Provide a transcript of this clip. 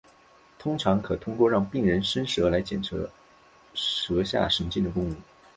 通常可通过让病人伸舌来检查舌下神经的功能。